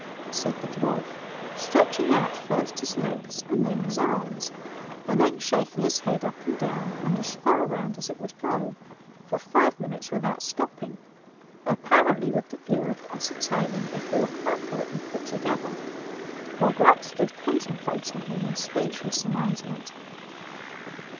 said the dwarf, stretching out first his legs and then his arms, and then shaking his head up and down and as far round as it would go, for five minutes without stopping, apparently with the view of ascertaining if he were quite correctly put together, while Gluck stood contemplating him in speechless amazement.